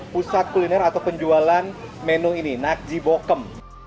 pusat kuliner atau penjualan menu ini nak jibo kem